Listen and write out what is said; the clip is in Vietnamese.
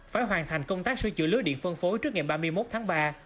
phải hoàn thành công tác sửa chữa lưới điện phân phối trước ngày ba mươi một tháng ba